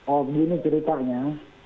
oh begini ceritanya